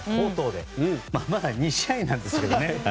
まだ２試合なんですけど。